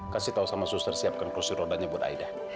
kasih tahu sama suster siapkan kursi rodanya buat aida